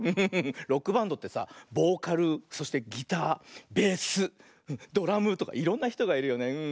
ロックバンドってさボーカルそしてギターベースドラムとかいろんなひとがいるよねうん。